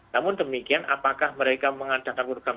namun demikian apakah mereka mengandalkan